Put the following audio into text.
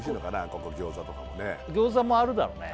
ここ餃子とかもね餃子もあるだろうね